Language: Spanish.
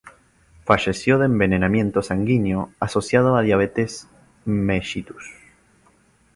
Falleció de envenenamiento sanguíneo asociado a diabetes mellitus.